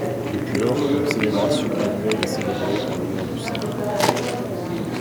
Depuis lors, une célébration annuelle est célébrée en l'honneur du saint.